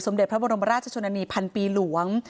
สมเด็จพระบรมราชชนานี๑๐๐๐ปีหลวง